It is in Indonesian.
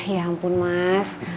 ya ampun mas